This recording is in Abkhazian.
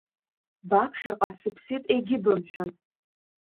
Баԥхьаҟа сыԥсит, егьыбымҳәан!